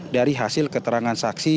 dari hasil keterangan saksi